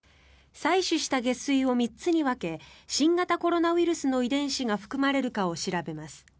採取した下水を３つに分け新型コロナウイルスの遺伝子が含まれるかを調べます。